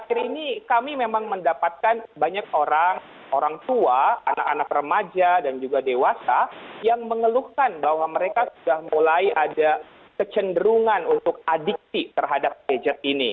akhir ini kami memang mendapatkan banyak orang orang tua anak anak remaja dan juga dewasa yang mengeluhkan bahwa mereka sudah mulai ada kecenderungan untuk adiksi terhadap gadget ini